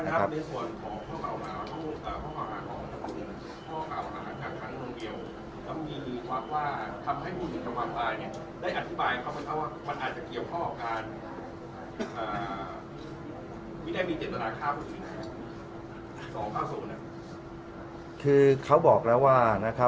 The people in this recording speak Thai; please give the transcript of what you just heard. อ๋อขออนุญาตเป็นในเรื่องของการสอบสวนปากคำแพทย์ผู้ที่เกี่ยวข้องให้ชัดแจ้งอีกครั้งหนึ่งนะครับ